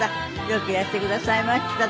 よくいらしてくださいました。